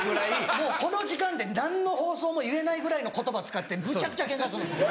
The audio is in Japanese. もうこの時間で何の放送も言えないぐらいの言葉使ってむちゃくちゃケンカするんですよ。